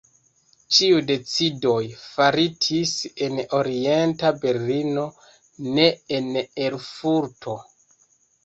Ĉiuj decidoj faritis en Orienta Berlino, ne en Erfurto.